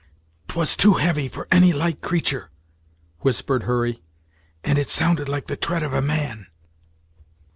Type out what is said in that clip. "'Twas too heavy for any light creatur'," whispered Hurry, "and it sounded like the tread of a man!"